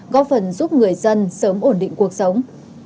góp phần giúp người dân sớm ổn định cuộc sống